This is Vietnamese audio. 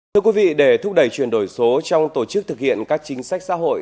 thưa quý vị để thúc đẩy chuyển đổi số trong tổ chức thực hiện các chính sách xã hội